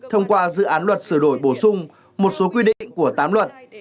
thông qua dự án luật sửa đổi bổ sung một số quy định của tám luật